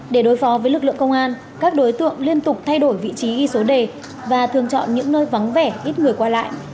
để đối phó với lực lượng công an các đối tượng liên tục thay đổi vị trí ghi số đề và thường chọn những nơi vắng vẻ ít người qua lại